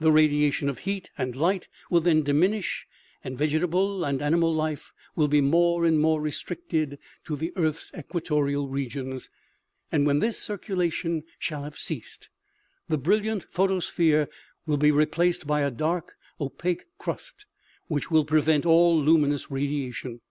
The radiation of heat and light will then diminish, and vegetable and animal life will be more and more restricted to the earth's equatorial regions. When this circulation shall have ceased, the brilliant pho tosphere will be replaced by a dark opaque crust which will prevent all luminous radiation.